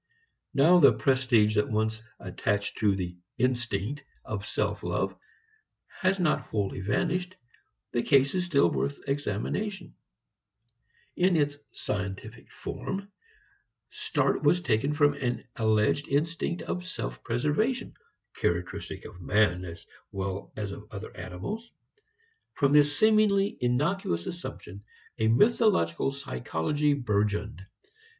Now the prestige that once attached to the "instinct" of self love has not wholly vanished. The case is still worth examination. In its "scientific" form, start was taken from an alleged instinct of self preservation, characteristic of man as well as of other animals. From this seemingly innocuous assumption, a mythological psychology burgeoned.